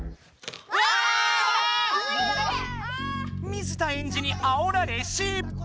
水田エンジにあおられ失敗！